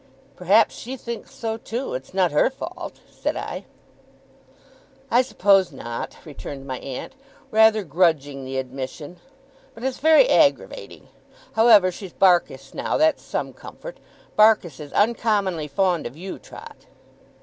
'Perhaps she thinks so, too; it's not her fault,' said I. 'I suppose not,' returned my aunt, rather grudging the admission; 'but it's very aggravating. However, she's Barkis now. That's some comfort. Barkis is uncommonly fond of you, Trot.